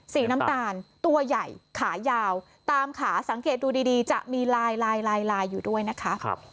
สีน้ำตาลตัวใหญ่ขายาวตามขาสังเกตดูดีจะมีลายลายอยู่ด้วยนะคะ